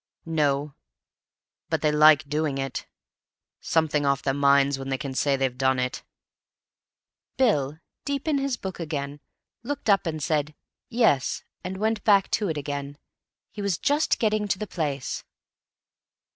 "No. But they like doing it. Something off their minds when they can say they've done it." Bill, deep in his book, looked up and said "Yes," and went back to it again. He was just getting to the place.